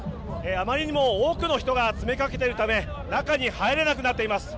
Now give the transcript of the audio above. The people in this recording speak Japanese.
あまりにも多くの人が詰めかけているため中に入れなくなっています。